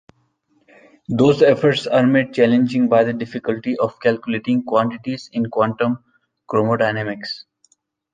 Those efforts are made challenging by the difficulty of calculating quantities in quantum chromodynamics.